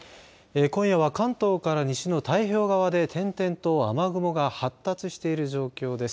今夜は関東から西の太平洋側で点々と雨雲が発達している状況です。